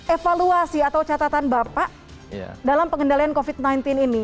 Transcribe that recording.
evaluasi atau catatan bapak dalam pengendalian covid sembilan belas ini